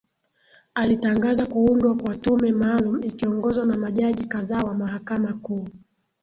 alitangaza kuundwa kwa tume maalum ikiongozwa na majaji kadhaa wa mahakama kuu